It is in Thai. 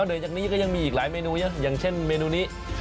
เดี๋ยวจากนี้ก็ยังมีอีกหลายเมนูอย่างเช่นเมนูนี้